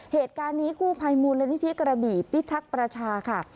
เหตุการณ์นี้กู้ภัยมูลนิธิกระบี่พิทักษ์ประชาค่ะ